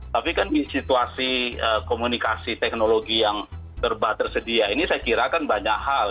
tapi kan di situasi komunikasi teknologi yang tersedia ini saya kira kan banyak hal